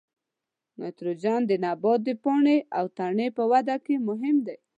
نایتروجن د نبات د پاڼې او تنې په وده کې مهم دی.